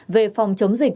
về phòng chống dịch